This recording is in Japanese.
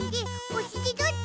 おしりどっち？